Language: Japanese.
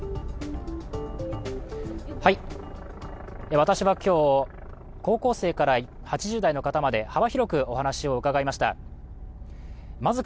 私は今日、高校生から８０代の方まで幅広くお話を伺いました。